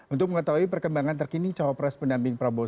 untuk mengetahui perkembangan terkini cawapres pendamping prabowo